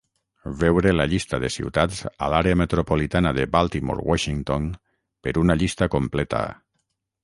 "Veure la llista de ciutats a l'àrea metropolitana de Baltimore-Washington per una llista completa.